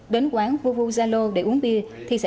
đến quán vuvuzelo để uống bia